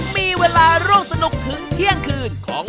มีเวลาร่วมสนุกถึงเที่ยงคืนของ